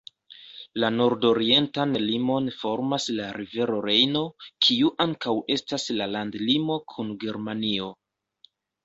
La nordorientan limon formas la rivero Rejno, kiu ankaŭ estas la landlimo kun Germanio.